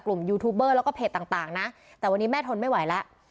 ยูทูบเบอร์แล้วก็เพจต่างนะแต่วันนี้แม่ทนไม่ไหวแล้ว